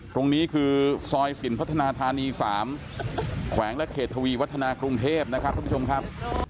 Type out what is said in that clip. ตรงนี้คือซอยสินพัฒนาธานี๓แขวงและเขตทวีวัฒนากรุงเทพนะครับทุกผู้ชมครับ